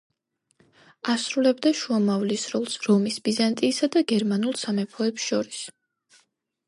ასრულებდა შუამავლის როლს რომის, ბიზანტიისა და გერმანულ სამეფოებს შორის.